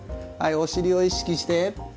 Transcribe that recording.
はいお尻を意識して。